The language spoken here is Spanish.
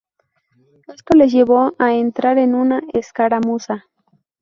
Esto les llevó a entrar en una escaramuza.